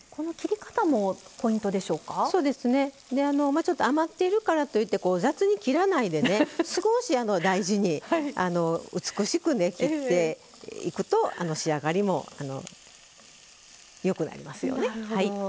ちょっと余っているからといって雑に切らないで、少し大事に美しく切っていくと仕上がりもよくなりますよね。